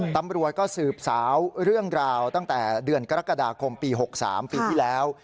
ตำรวจก็สืบสาวเรื่องราวตั้งแต่เดือนกรกฎาคมปี๖๓ปีที่แล้ว